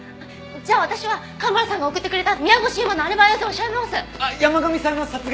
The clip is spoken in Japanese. じゃあ私は蒲原さんが送ってくれた宮越優真のアリバイ映像を調べます！